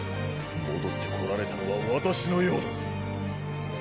戻ってこられたのは私のようだ。